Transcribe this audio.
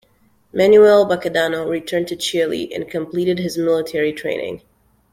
Manuel Baquedano returned to Chile and completed his military training.